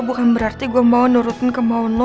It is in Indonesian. bukan berarti gue mau nerutin ke maun lo